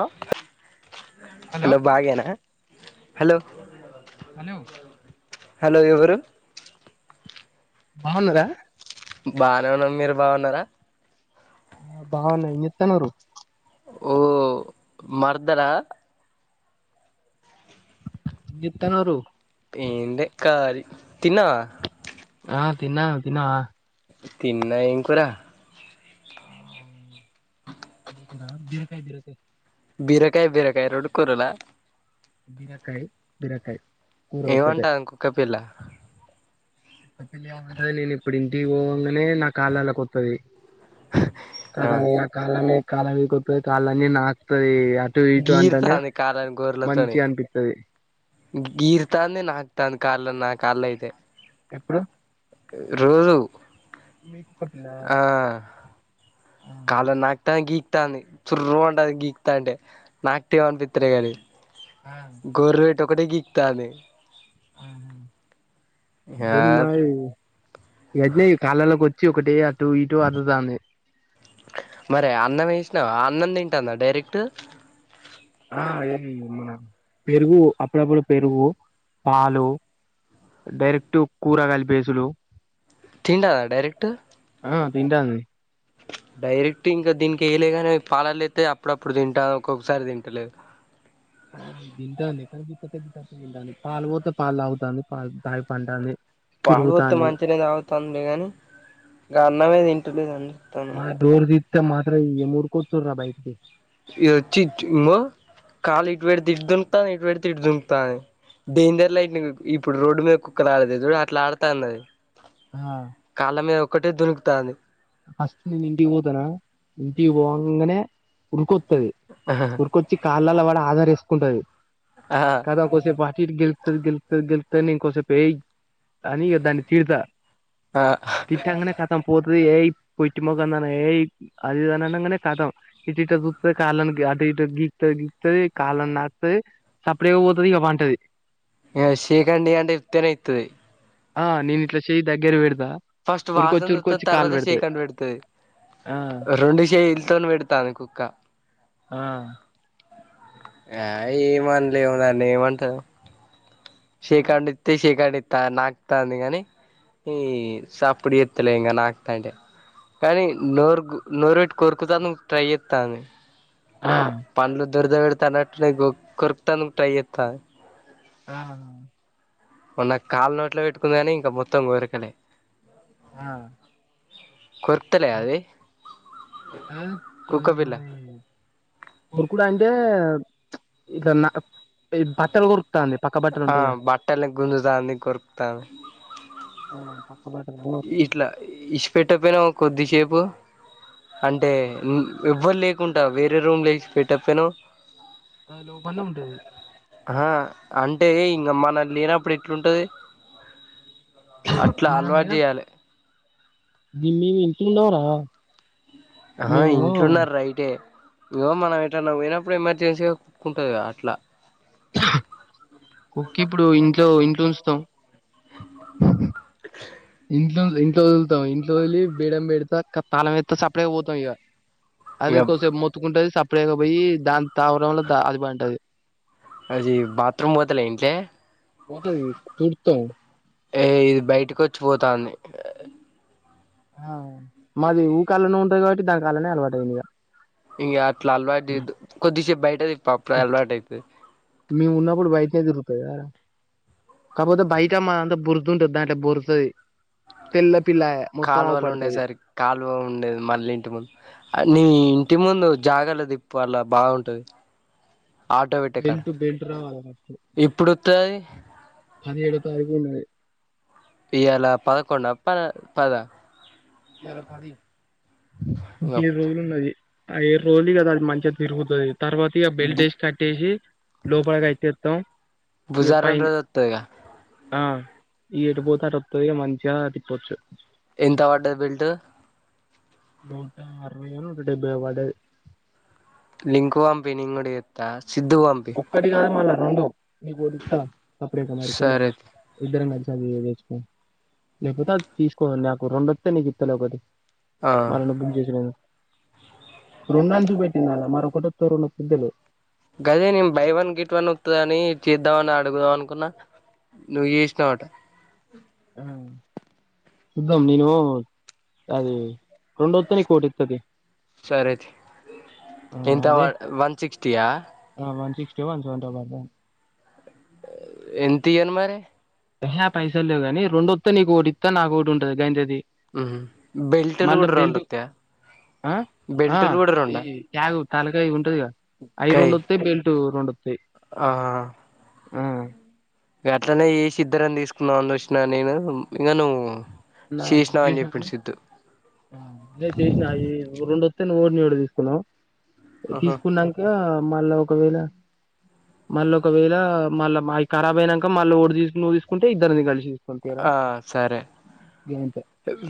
Hello hello భాగేనా hello hello hello ఎవరు బావున్నరా బానే ఉన్నాం. మీరు బాగున్నారా ఆ బాగున్నాం. ఏం చేత్తన్నరు. మర్దన ఏం చేస్తున్నారు ఏం లే. కాలి తిన్నవా ఆ తిన్నా. తిన్నావ తిన్నా. ఏం కూర కూరా బీరకాయ్ బీరకాయ్. బీరకాయ్ బీరకాయ్ రోండు కూరలా బీరకాయ్. బీరకాయ్. ఏమంటాంది కుక్కపిల్ల. కుక్క పిల్లేమంటది. నేను ఇప్పుడింటికి పోవంగానే నా కాళ్ళలో కొత్తది. ఆ కదల్నియా కాళ్ళని కాళ్ళ మీది కొత్తది. కాళ్ళన్ని నాకుతదిగ గీర్తాంది కాళ్ళని గోర్లతోనే మంచిగా అనిపిత్తది గీ గీర్తాంది నాక్తాంది. కాళ్ళని నా కాళ్ళయితే ఎప్పుడు రోజు మీకు ఒక పిల్లా? ఆ కాళ్ళని నాకుతాంది గీ ర్ తాంది. సుర్రు మాంటాంది గీకు తాంటే నాక్తేమని పిత్తలే కాని ఆ గొర్రెటోకదే గీక్తాంది. ఆహా. ఆ దీన్మాయ్ ఏది కాళ్ళలోకొ చ్చి ఒకటి అటు ఇటు అటుదాంది. మరే అన్నమేసినావా అన్నం తింటాందా డైరెక్ట్ ఆ [unintelligible] పెరుగు అప్పుడప్పుడు పెరుగు పాలు డైరెక్ట్ కూర గలిపేసుడు తింటాదా డైరెక్ట్. ఆ తింటాంది డైరెక్ట్ ఇంకా దీనికేయలే గానే పాలల్లేత్తే అప్పుడప్పుడు తింటాది. ఒక్కొక్కసారి తింటలేదు. నేను దానికి పాలు పోత్తే పాలు తాగుతాంది పాల్ తాగి పంటాంది. పాలు పోత్తే తిరుగుతాంది మంచిగనే తాగుతాంది లే గాని ఇకగ అన్నమే తింట లేదని చెప్తాన్న. [unintelligible] బయటకి ఇదొచ్చి ఇచ్ చ్చ్ కాలు ఇటుపెడితే ఇటు దుంకుతాంది ఇటుపెడితే ఇటు దుంకు తాంది. డేంజర్ లైట్ ఇప్పుడు రోడ్డు మీద కుక్కలాడుతాయ్ చుడు అట్లా ఆడుతాందది. ఆ కాళ్ళ మీద ఒక్కటే దునుకుతాంది. ఫస్ట్ నేనింటికి పోతనా ఇంటికి పోవంగనే ఉరుకొత్తది. ఉరుకొచ్చి కాళ్ళల్లో పడి ఆధరేసుకుంటది. ఆ కదా కోస్సేపు అటు ఇటు గెల్క్తది. గెల్క్తది. గెల్క్తది. నేన్ కోస్సేపై అని ఇగదాన్ని తిడ్. తా ఆ తిట్నంకనే కతం పోతది ఏయ్ పోట్టి మోగందాన ఏయ్ అదిఇదనంగనే కథం ఇటిటా గోక్తద్ కాల్లని అటు ఇటు గిక్ తది గీక్తది కాళ్ళని నాక్తది చప్పుడ్ చేయక పోతది ఇక పంటది. అంట ఉత్తన ఇత్తది ఆ నేను ఇట్లా శష దగ్గిరు వెేడ ఫస్ట్ వాసన ఉత్తది తర్వాత చేకం పెడతుది ఆ రెండు చేలతో పెడతాను కుక్క ఆ ఆ ఏమనలేవున్నాన్న ఏమంటారు శకాండితేతి శకాండి నాకుతంది కాని ఈ సప్పుడు ఎత్తలే ఇంకా నాకుతంటే కానీ నోరు నోరుటి కోరుకుతను ట్రై చె అ ఆ పలు దొర్ ద వ తనట కొర్క్తాను ట్రై అత్త ఆా మొన్నకు కాళ్ళ నోట్లో పెట్టుకుంది కానీ ఇంకా మొత్తం కోరకలే ఆ కొరుతలే అది కుక్క పిల్ల ఇప్పుడు కూడా అంటే ఇ నా బట్టలు కొరుకుతాంది పక్క బట్టలు ఉంటాయిగా బట్టని గుంజుతా అన్ని కొరుకుతాను ఆ పక్క బట్టలు ఇట్లా ఇష్టపెట్టకపోయినా కొద్దిసేపు అంటే ఎవ్వరు లేకుడాా వేరే రూమ్ లేచ పెట్టప్పేను అలో పన్నమంటది ఆ అంటే ఇంక మన లేనప్పుడు ఎట్లుంటది అట్లా అలవాటు చేయ్యాలి బిమ్మీ వింట ఉండవరా ఆ ఇంట్లున్నారు రైటే ఏవో మనం ఎ నువ్ పోనప్పుడు ఎమర్జెన్సీగా కుక్కుంటుది అట్లా కుకి ఇప్పుడు ఇంట్లో ఇంట్లో ఉంచుతాం ఇంట్ ఇంట్లో వెదులుతా ఇంట్కిదిలి బీడడం పెడా తాళం ఎేస్తా సప్పడే పోతాం ఇక అదే ఇగ కొసేపు మొత్తుకుంటది సపరయక పోయి దాని తావడం వల్ల అది బాగుంటది అది బాత్రూమ్ మోతలే ఏంటలే కథది తూర్తం ఏ ఇది బయటకి వచ్చి పోతాంది ఆ మాది ఊకాళ్ళనే ఉంటది కాబట్టి దానికాళ్ళనే అలవాటు అయింది ఇక ఇంకా అట్లా అలవాటు కొద్దిసేపు బయటది పాప్పుడు అలవాటు అయిదిడు మేము ఉన్నప్పుడు బయటనే తిరుగుతది కాకపోతే బయటమ్ మా అంతా బుర్దుంటంది దాంటే బురుతుది తెల్ కాలువలు ఉండేది సరి కాలువ ఉండేది మళ్ళీ ఇంటి ముందు అన్నిీ ఇంటి ముందు జాగలేదు ఇప్పు అలా బాగుంటది ఆటో పెెటకాడ బెల్ట్ బెల్ట్ రావాల ఫస్ట్ ఇప్పుడు వస్తా పదిహేడో తారీఖ ఉన్నా ఏలా పదకొన్న పద పద ఏద కాది ఇం బు ఏడు రోజులున్నది ఆ ఏడు రోజులు కదా అది మంచిగా తిరుగుతుంది తర్వాత ఇ బెల్టేస్ట్ కట్టేసి లోపలికి అయితేస్తాం ఇ బుధవారం రోజు వత్తదిగా పనా ఈట బత రొక్త మంచి పోచ్చు ఎంత పడ్డది బిల్ట్ నూట అరవైనా నట డైబ వాడు లింకు హంపని గుడి ఎత్త ఒక్కటి కా మాల రెండో నీ పోస్తా తప్పుడేక మారిపోను సరే ఇద్దరి నడిచ తెసుుకో లేకపోతే అది తీసుకోద నాకు రెండ వస్తే నీకు ఇత్తలే ఒకటి ఆ మన డబ్బులు చేస నేను రెంం చూపెట్టిందిాల మరొకటిొ త రెండు పెద్ద్దలే గదే నేను బై వన్ గెట్ వన్ ఒత్తదని చేద్దామని అడుగుదాం అనుకున్నా నువ్వు చేసినవటా చూద్దాం నేను అది రెండోస్తే నీకోటి ఇత్త తియ్ సరే తీ ఎంత అదే వన్ సిక్స్టీ ఆ ఆ వన్ సిక్స్టీ ఓ వన్ సెవెంటీ ఓ పడ్డది ఎంతియ్యను మరి ఎహె పైసలు లేవు గాని రెండోత్తే నీకోకటిత్తా నాకొకటి ఉంటది గంతే తియ్ ఉమ్ బెల్ట్లు కూడా రెండోత్తయా ఆ ఆ ఈ ట్యాగ్ తలకాయ ఉంటదిగా అయి రెండొత్తే బెల్టు రెండోత్తయి ఆ ఆ ఇగ అట్లనే చేసి ఇద్దరం తీసుకుందామని చూసిన నేను ఇంగ నువ్వు చేసినావు అని చెప్పిండు సిద్ధు ఇగ చేసిన ఆది రెండోత్తే నువ్వోటి నానోటి తీసుకుందం ఆహా తీసుకున్నాక మళ్ళా ఒకవేళ మళ్ళ ఒకవేళ మళ్ళ అయ్యి కరాబ్ అయినంక మళ్ళ ఒకటి నువ్వు తీసుకుంటే ఇద్దరికి కలి తీసుకుందువు తీయరాదు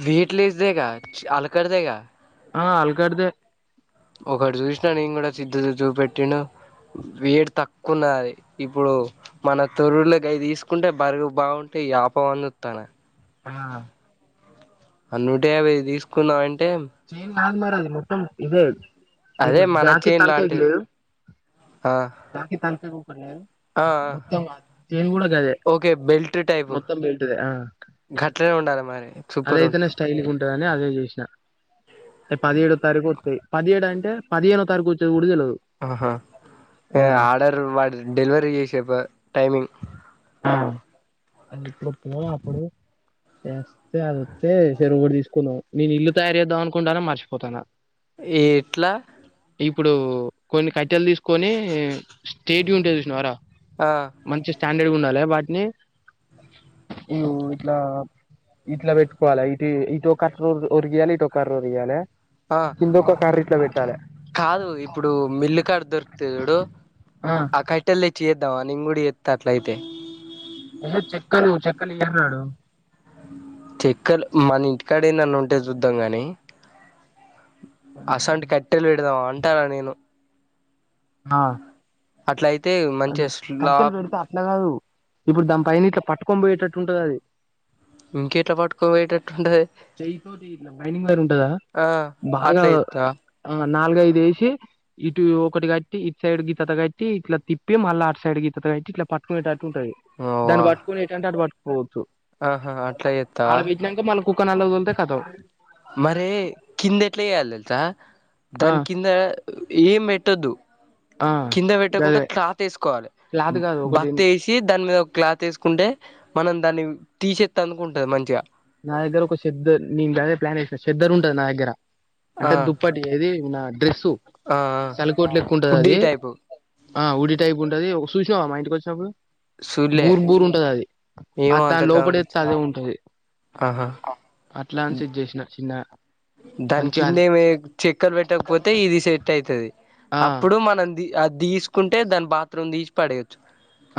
వెయిట్ లెస్దేగా అలకటిదేగా ఆ అల్కాడ్దే ఒకటి చూసిన నేను కూడా సిద్దు చూపెట్టిండు వెయిట్ తక్కువున్నదది ఇప్పుడు మన తొర్రూరుల గయ్యి తీసుకుంటే బరువు బాగుంటది ఆపమని చూస్తాన ఆ నూటయాభై తీసుకున్నా [unintelligible] కాదు మరి అది మొత్తం ఇదే అదే ఇప్పుడు మన జాకి చేన్ తలకాయకి లాంటిది లేదు ఆ జాకీ తలకాయ కి ఒకటి లేదు ఆ మొత్తం [unintelligible] కూడ గదే ఓకే బెల్ట్ టైపు మొత్తం బెల్ట్దే ఆ గట్లనే ఉండాలి మరి సూపర్ అదయితేనే ఉంటది స్టైల్గ ఉంటదని అదే చేసిన అ పదిహేడో తారీఖు వస్తయి పదిహేడు అంటే పదిహేనో తారీఖు వచ్చేది కూడా తెలవదు ఆహా ఆర్డర్ వాడు డెలివరీ చేసే టైమింగ్ ఆ వస్తే అది వస్తే ఈ సారి కూడ తీసుకుందాం నేను ఇల్లు తయారు చేద్దాం అనుకుంటాన మర్చిపోతాన ఏట్లా ఇప్పుడు కొన్ని కట్టెలు తీసుకు కొని స్టేట్గ ఉంటయ్ చూసినవారా ఆ మంచి స్టాండర్డ్గ ఉండాలి వాటిని ఇ ఇట్లా ఇట్ల పెట్టుకోవాలే ఇటు ఇటు కర్ర ఒరిగియ్యాలే ఇటొక కర్ర ఒరిగియ్యాలే ఆ కింద ఒక కర్ర ఇట్ల పెట్టాలే కాదు ఇప్పుడు మిల్లుకాడ దొరుకుతయి చూడు ఆ కట్టెలు తెచ్చి నియవ్వ నేను కూడ చేత్త అట్లయితే ఎన్నడు చెక్కలు మన ఇంటికాడ ఎడనన్న ఉంటే చూద్దాం కానీ అసోంటి కట్టెలు పెడదాం అంటాన నేను ఆ అట్లయితే అదే మంచిగ కట్టెలు స్లాబ్ పెడితే అట్లా కాదు ఇప్పుడు దాని పైన ఇట్ల పట్టుకొని పోయేటట్టు ఉంటది అది ఇంకెట్ల పట్టుకపోయేటట్టు ఉంటది చెయ్యితోటి ఇట్లా బైండింగ్ వైర్ ఉంటదా ఆ బాగా అట్ల చేత్తవా ఆ నాలుగైదు వేసి ఇటు ఒకటి కట్టి ఇటు సైడ్ గిత్తత్త కట్టి ఇట్ల తిప్పి మళ్ళ అటు సైడ్ గిత్తత్త పెట్టి ఇట్ల పట్టుకు ఉంటది దాన్ని అవ్వా పట్టుకొని ఎటంటే అటు పట్టుకోవచ్చు ఆహా అట్లా ఆడ చేత్తావా బెట్టినంక మల్ల కుక్కనల్లకు తోలితే కతం మరే కింద ఎట్ల చేయాలి తెలుసా ఆ దాని కింద ఈ మెటదు ఆ కింద పెట్టకుండా గదే క్లాత్ వేసుకోవాలి క్లాత్ కాదు ఒకటి బతి వేసి దానిద ఒక క్లాత్ వేసుకుంటే మనం దాన్ని తీసేస్త అందుకుంటది మంచిగా నా దగ్గర ఒక సిద్ద్ద న ఇ దే ప్లాన్ వ చెద్దరు ఉంటది నా దగ్గర ఆ అంటే దుప్పటి ఏది నా డ్రెస్ ఆ తలకోట్లు ఎక్కుంటది హుడ్డీ అది టైపు ఆ ఉఊడి టైప్ ఉంటది ఒక చూసినావా మా ఇంటికి వచ్చినప్పుడు సూళ్ళే బూర్ బూరు ఉంటది అది అ ఏమో అంత లోపడ గమనించ ఎస్త అదే ఉంటది ఆహా అట్లా అని సిట్ చేసిన చిన్న దాని కింద ఏమి చెక్కర్ పెట్టకపోతే ఇది సెట్ అయితది ఆ అప్పుడు మనం అది తీసుకు అంటే దాని బాత్రూమ్ తీసి పడేయచ్చు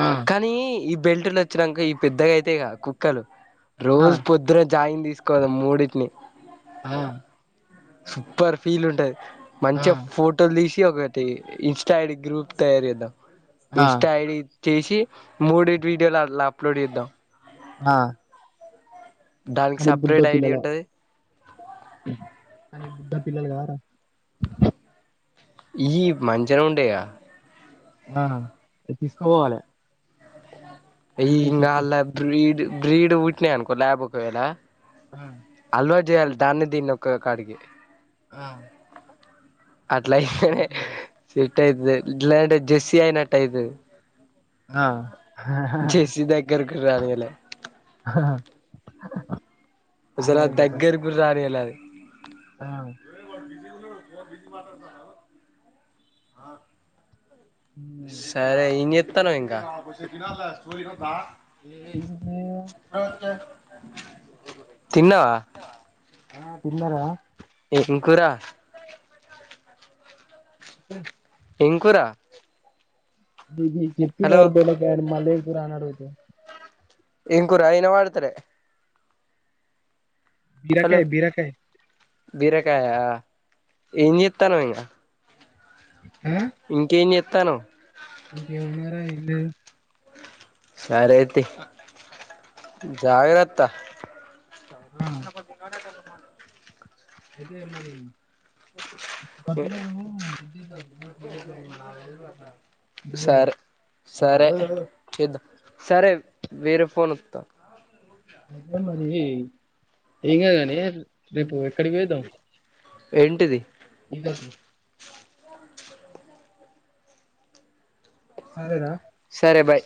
ఆ కానీ బెల్ట్ నచ్చినాక ఈ పెద్దగా అయితే క కుక్కలు ఆ రోజు పొద్దున జాయిన్ తీసుకోదాం మూడింటిని ఆ సూపర్ ఫీల్ ఉంటది ఆ మంచిగా ఫోటోలు తీసి ఒకటి ఇన్స్టా ఐడి గ్రూప్ తయారు చేద్దాం ఆ ఇన్స్టా ఐడి తీసి మూడు వీడియోలు అలా అప్లోడ్ చేద్దాం హా దానికి కానీ బుడ్డ సపరేట్ ఐడి పిల్లలే ఉంటది కానీ బుడ్డ పిల్లలు గారా ఈ మంచన ఉండయా ఆనా తీసు పోవాలి ఇంగ అలా బ్రీడ్ బ్రీడ్ ఉట్న అనుకో బక్ వె ఎలా ఆ చేయాలి దాన్ని దీన్ని ఒక కాడికి ఆ అట్లయితే మంచిగుంటది సిట్ అయితుది ఇలాంటే జెస్సి అయినట్ట అయితు ఆ జేసీ దగ్గరకి రాని అల సరా అరవై పర్సెంట్ దగ్గరకు రానియల ఆ [inaudible] సరే ఏంచేత్తన్నావ్ ఇంకా [unintelligible] తిన్నావా ఆ తిన్నారా ఏం కూర అ ఏం కూర దది హలో చెప్పరు బెళగా మలకుర్ రాన్నారుతే ఏం కూర అయిన వాడతార హలో బీరకాయ బీరకాయ బీరకాయ ఎంచెత్తన్నవ్ ఇంకా ఆ ఇంకేం చెస్తాను [inaudible] సరే అయితి జాగరత్తా ఆ ఇదే మరి [inaudible] సరే [inaudible] సరే చూద్దాం సరే వేరే ఫోన్ వత్తా అదే మరి ఏం కానీ రేపు ఎక్కడికి పుయ్యొద్దాం ఏంటిది సరే సరేరా బాయ్